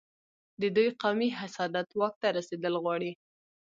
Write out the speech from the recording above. د دوی قومي حسادت واک ته رسېدل غواړي.